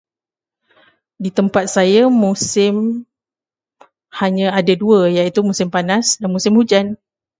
Di tempat saya musim hanya ada dua iaitu musim panas dan musim hujan.